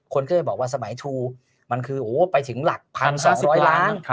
คนก็เลยบอกว่าสมัยทูมันคือไปถึงหลัก๑๓๐๐ล้าน